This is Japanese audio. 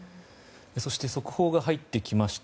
そして速報が入ってきました。